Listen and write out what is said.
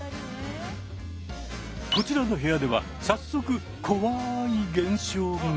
こちらの部屋では早速怖い現象が。